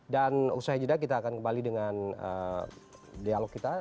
dan usai jeda kita akan kembali dengan dialog kita